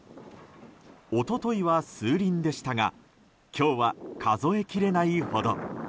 一昨日は数輪でしたが今日は数えきれないほど。